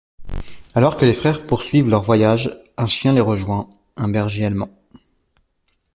Alors que les frères poursuivent leur voyage, un chien les rejoint, un berger allemand.